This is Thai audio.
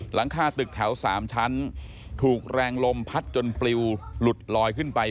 หลังคาตึกแถว๓ชั้นถูกแรงลมพัดจนปลิวหลุดลอยขึ้นไป